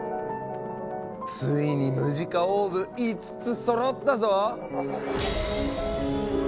ついにムジカオーブ５つそろったぞ！